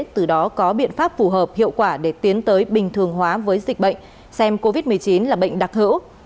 từ đó có biện pháp phù hợp hiệu quả để tiến tới bình thường hóa với dịch bệnh xem covid một mươi chín là bệnh đặc hữu